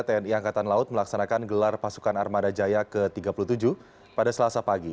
tni angkatan laut melaksanakan gelar pasukan armada jaya ke tiga puluh tujuh pada selasa pagi